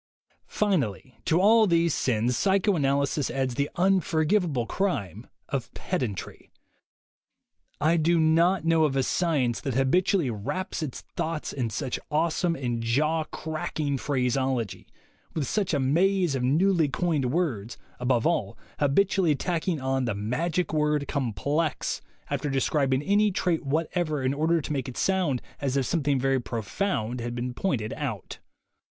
Finally, to all these sins, psychoanalysis adds the unforgivable crime of pedantry. I do not know of a science that habitually wraps its thoughts in such awesome and jawcracking phraseology, with such a maze of newly coined words, above all, habitually tacking on the magic word "complex" after de scribing any trait whatever in order to make it sound as if something very profound had been pointed out.